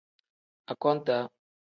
Akontaa.